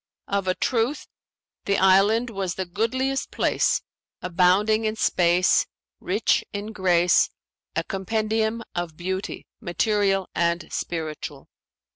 Of a truth the island was the goodliest place, abounding in space, rich in grace, a compendium of beauty material and spiritual.